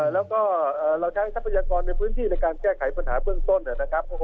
แล้วก็เราใช้ทรัพยากรในพื้นที่ในการแก้ไขปัญหาเบื้องต้นนะครับ